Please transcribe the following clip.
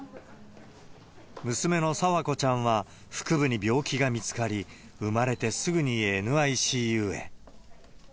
娘の紗和子ちゃんは、腹部に病気が見つかり、生まれてすぐにＮＩＣＵへ。